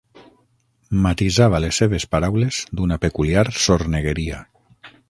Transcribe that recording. Matisava les seves paraules d'una peculiar sornegueria.